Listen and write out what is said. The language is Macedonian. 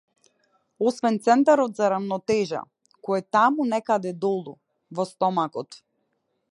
Освен центарот за рамотежа, кој е таму некаде долу, во стомакот.